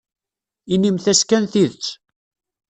Inimt-as kan tidet.